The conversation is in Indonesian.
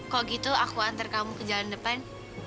kalau gitu aku antar kamu ke jalan depan